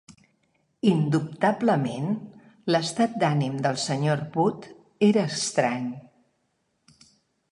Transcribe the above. Indubtablement, l'estat d'ànim del Sr. Wood era estrany.